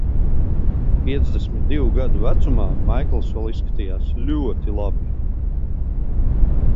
Piecdesmit divu gadu vecumā Maikls vēl izskatījās ļoti labi.